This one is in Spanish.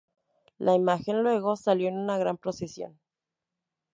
La imagen luego salió en una gran procesión.